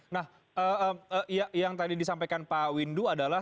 nah yang tadi disampaikan pak windu adalah